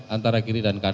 antara kiri dan kanan